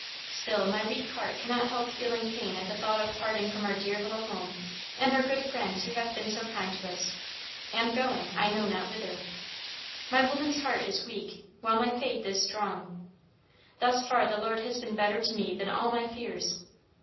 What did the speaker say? Still my weak heart cannot help feeling pain at the thought of parting from our dear little home and our good friends who have been so kind to us, and going, I know not whither. My woman's heart is weak, while my faith is strong. Thus far the Lord has been better to me than all my fears.